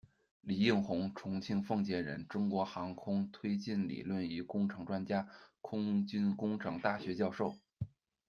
李应红，重庆奉节人，中国航空推进理论与工程专家，空军工程大学教授。